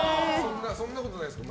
そんなことないですか？